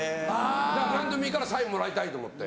だから何でもいいからサインもらいたいと思って。